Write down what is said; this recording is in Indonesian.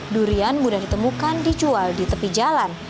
durian mudah ditemukan di jual di tepi jalan